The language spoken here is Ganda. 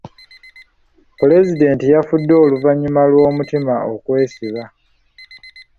Pulezidenti yafudde oluvannyuma lw'omutima okwesiba.